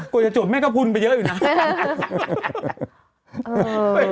กลัวจะจบแม่กระพูนไปเยอะอยู่นะ